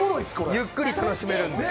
ゆっくり楽しめるんで。